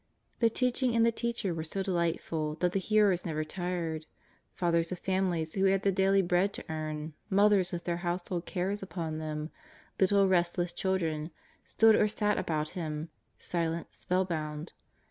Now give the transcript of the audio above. The teaching and the Teacher were so delightful that the hearers never tired ; fathers of families who had the daily bread to earn, mothers with their household cares upon them, little restless children, stood or sat about Him, silent, spell bound.